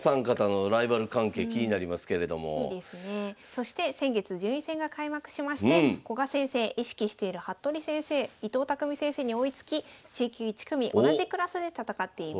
そして先月順位戦が開幕しまして古賀先生意識している服部先生伊藤匠先生に追いつきＣ級１組同じクラスで戦っています。